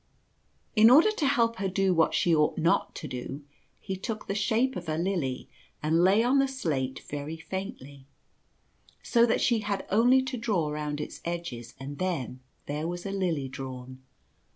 The Lie. 129 * In order to help her to do what she ought not to do he took the shape of a lily and lay on the slate very faintly, so that she had only to draw round his edges and then there was a lily drawn.